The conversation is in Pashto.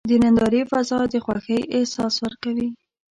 د نندارې فضا د خوښۍ احساس ورکوي.